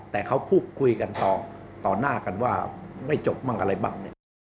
แต่เขาพูดคุยกันต่อหน้ากันว่าไม่จบบ้างอะไรบ้างเนี่ย